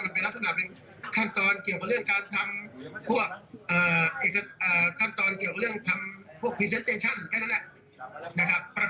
มันเป็นลักษณะขั้นตอนเกี่ยวกับเรื่องการทำ